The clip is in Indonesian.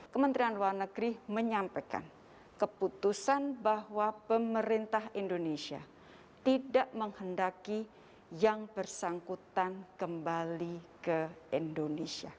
kementerian luar negeri menyampaikan keputusan bahwa pemerintah indonesia tidak menghendaki yang bersangkutan kembali ke indonesia